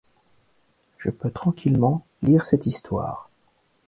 je peux tranquillement lire cette histoire.